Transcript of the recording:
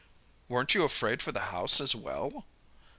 "Weren't you afraid for the house as well?"